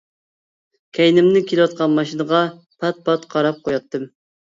كەينىمدىن كېلىۋاتقان ماشىنىغا پات پات قاراپ قوياتتىم.